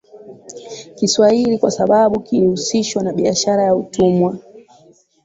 Kiswahili kwa sababu kilihusishwa na biashara ya utumwa